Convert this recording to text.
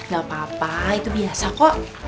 gak apa apa itu biasa kok